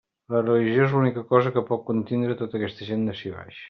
La religió és l'única cosa que pot contindre a tota aquesta gent d'ací baix.